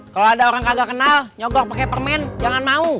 kalau ada orang kagak kenal nyogok pakai permen jangan mau